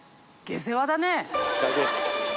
下世話だね。